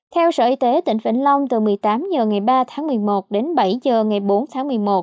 theo sở y tế tỉnh vĩnh long từ một mươi tám h ngày ba tháng một mươi một đến bảy h ngày bốn tháng một mươi một